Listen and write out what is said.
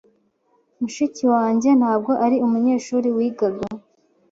Mushiki wanjye ntabwo ari umunyeshuri wigaga.